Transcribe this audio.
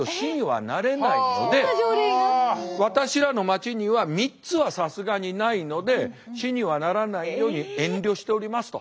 私らの町には３つはさすがにないので市にはならないように遠慮しておりますと。